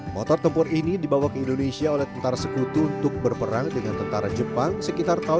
motor tempur ini dibawa ke indonesia oleh tentara sekutu untuk berperang dengan tentara jepang sekitar tahun seribu sembilan ratus empat puluh delapan